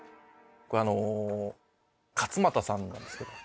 これあの勝俣さんなんですけど。